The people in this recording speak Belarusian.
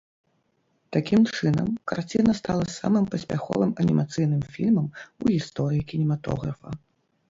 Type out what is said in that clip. Такім чынам, карціна стала самым паспяховым анімацыйным фільмам у гісторыі кінематографа.